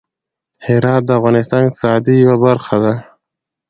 هرات د افغانستان د اقتصاد یوه برخه ده.